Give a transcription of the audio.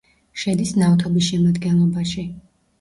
შედის ნავთობის შემადგენლობაში.